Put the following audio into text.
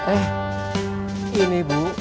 eh ini bu